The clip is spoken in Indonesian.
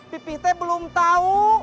pipi t belum tau